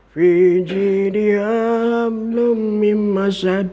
fi jidiha ablam min mas'ad